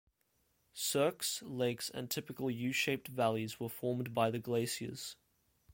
Cirques, lakes and typical U-shaped valleys were formed by the glaciers.